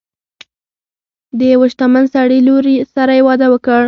د یو شتمن سړي لور سره یې واده وکړ.